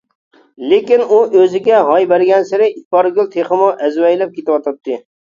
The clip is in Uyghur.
لېكىن ئۇ ئۆزىگە ھاي بەرگەنسېرى ئىپارگۈل تېخىمۇ ئەزۋەيلەپ كېتىۋاتاتتى.